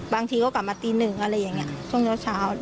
บางทีก็กลับมาตีหนึ่งอะไรอย่างนี้ช่วงเช้า